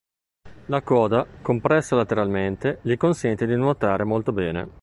La coda, compressa lateralmente, gli consente di nuotare molto bene.